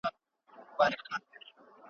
ستا تر څنګ یم